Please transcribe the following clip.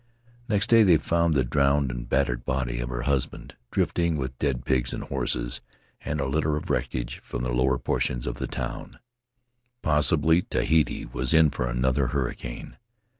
Next day they found the drowned and battered body of her husband drifting Aboard the Potii Ravarava with dead pigs and horses and a litter of wreckage from the lower portions of the town. Possibly Tahiti was in for another hurricane.